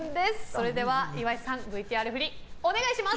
それでは岩井さんＶＴＲ振りお願いします。